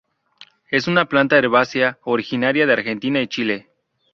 Es una planta herbácea originaria de Argentina y Chile.